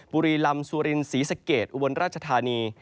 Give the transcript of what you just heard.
บุรีลำสุรินิศี้เสกตอุบลราชฮานี